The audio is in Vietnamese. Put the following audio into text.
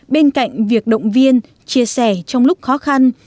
bên cạnh việc động viên chia sẻ trong lúc khó khăn